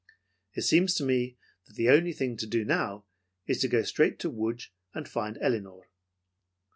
It seems to me that the only thing to do now is to go straight to Lodz and find Elinor."